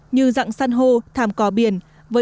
như dạng săn hô thảm cò biển